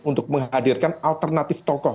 untuk menghadirkan alternatif tokoh